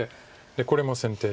これも先手で。